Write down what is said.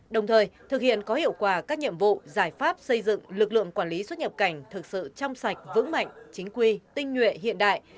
đồng thời thực hiện có hiệu quả các nhiệm vụ giải pháp xây dựng lực lượng quản lý xuất nhập cảnh thực sự trong sạch vững mạnh chính quy tinh nhuệ hiện đại